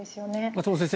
松本先生